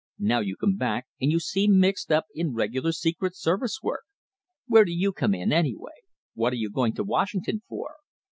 Now you come back and you seem mixed up in regular secret service work. Where do you come in, anyway? What are you going to Washington for?"